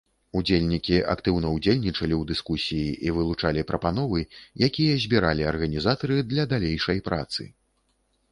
Удзельнікі актыўна ўдзельнічалі ў дыскусіі і вылучалі прапановы, якія збіралі арганізатары для далейшай працы.